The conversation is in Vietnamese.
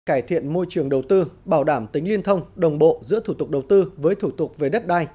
cải thiện môi trường đầu tư bảo đảm tính liên thông đồng bộ giữa thủ tục đầu tư với thủ tục về đất đai